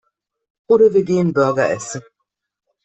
Oder wir gehen Burger essen.